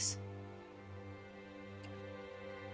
えっ？